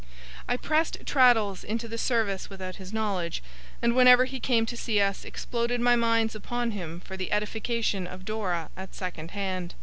I pressed Traddles into the service without his knowledge; and whenever he came to see us, exploded my mines upon him for the edification of Dora at second hand.